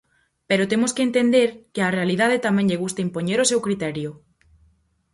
Pero temos que entender que á realidade tamén lle gusta impoñer o seu criterio.